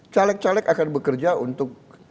caleg caleg akan bekerja untuk